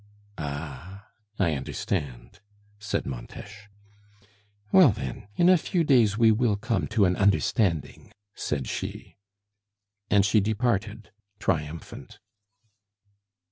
"Ah! I understand," said Montes. "Well, then, in a few days we will come to an understanding," said she. And she departed triumphant.